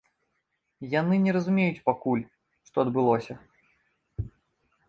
Яны не разумеюць пакуль, што адбылося.